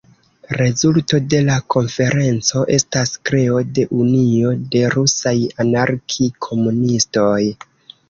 Rezulto de la konferenco estas kreo de "Unio de rusaj anarki-komunistoj".